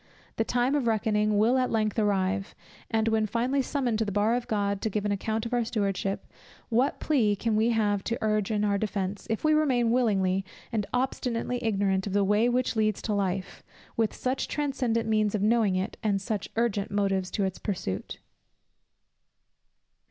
The time of reckoning will at length arrive. And when finally summoned to the bar of God, to give an account of our stewardship, what plea can we have to urge in our defence, if we remain willingly and obstinately ignorant of the way which leads to life, with such transcendent means of knowing it, and such urgent motives to its pursuit?